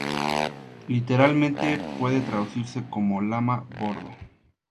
Literalmente puede traducirse como "lama-bordo".